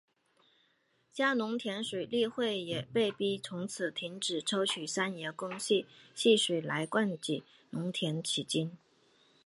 嘉南农田水利会也被迫从此停止抽取三爷宫溪溪水来灌溉农田迄今。